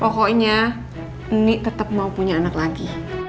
pokoknya nih tetep mau punya anak lagi